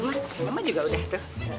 mama juga udah tuh